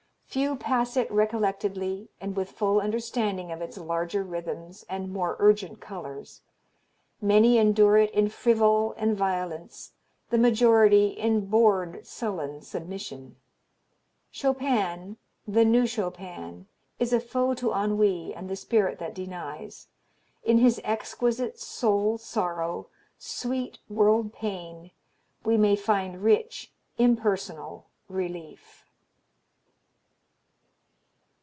Few pass it recollectedly and with full understanding of its larger rhythms and more urgent colors. Many endure it in frivol and violence, the majority in bored, sullen submission. Chopin, the New Chopin, is a foe to ennui and the spirit that denies; in his exquisite soul sorrow, sweet world pain, we may find rich impersonal relief.